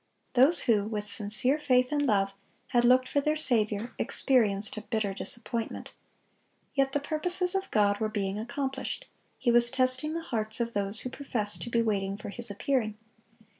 Those who with sincere faith and love had looked for their Saviour, experienced a bitter disappointment. Yet the purposes of God were being accomplished: He was testing the hearts of those who professed to be waiting for His appearing.